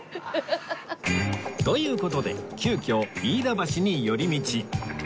という事で急きょ飯田橋に寄り道